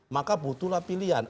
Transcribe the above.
maka butuhlah pilihan